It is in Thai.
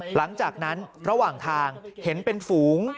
หลังจากนั้นระหว่างทางเห็นเป็นฝูง